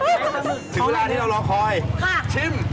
ถึงเวลาที่เรารอคอยชิม